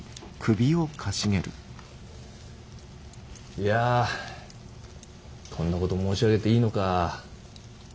いやこんなこと申し上げていいのか。